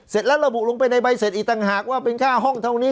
เสร็จแล้วระบุลงไปในใบเสร็จอีกต่างหากว่าเป็นค่าห้องเท่านี้